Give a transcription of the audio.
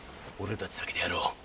俺たちだけでやろう。